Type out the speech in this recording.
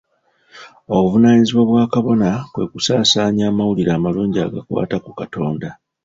Obuvunaanyizibwa bwa kabona kwe kusaasaanya amawulire amalungi agakwata ku katonda.